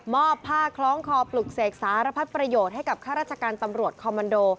อบผ้าคล้องคอปลุกเสกสารพัดประโยชน์ให้กับข้าราชการตำรวจคอมมันโด